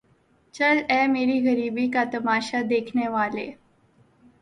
چل اے میری غریبی کا تماشا دیکھنے والے